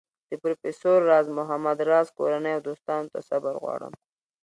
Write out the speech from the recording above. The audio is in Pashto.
د پروفیسر راز محمد راز کورنۍ او دوستانو ته صبر غواړم.